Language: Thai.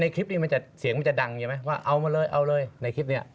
ในคลิปนี้เสียงมันจะดังอย่างนี้ไหมว่าเอามาเลยในคลิปนี้